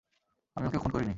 আমি ওকে খুন করিনি!